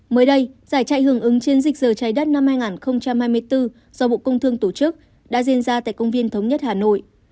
mới đây giải chạy hưởng ứng chiến dịch giờ trái đất năm hai nghìn hai mươi bốn do bộ công thương tổ chức đã diễn ra tại công viên thống nhất hà nội